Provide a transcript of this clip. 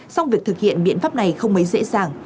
song việc thực hiện biện pháp này không mấy dễ dàng